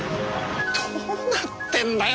どうなってんだよ